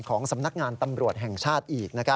สำนักงานตำรวจแห่งชาติอีก